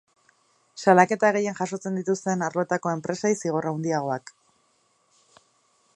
Salaketa gehien jasotzen dituzten arloetako enpresei zigor handiagoak.